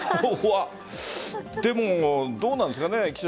でも、どうなんですかね